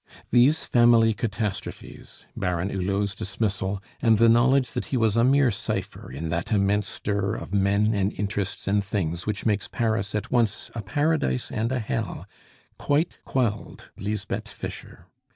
These family catastrophes, Baron Hulot's dismissal, and the knowledge that he was a mere cipher in that immense stir of men and interests and things which makes Paris at once a paradise and a hell, quite quelled Lisbeth Fischer.